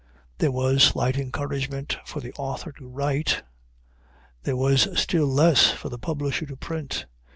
There was slight encouragement for the author to write; there was still less for the publisher to print.